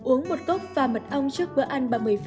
uống một cốc pha mật ong trước cửa ăn